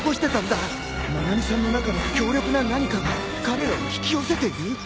愛美さんの中の強力な何かが彼らを引き寄せている？